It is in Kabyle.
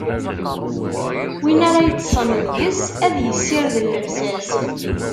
Win ara yeṭṭṣen deg-s, ad issired llebsa-s.